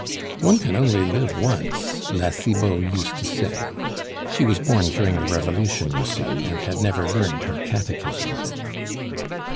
"One can only live once," La Cibot used to say. She was born during the Revolution, you see, and had never learned her Catechism.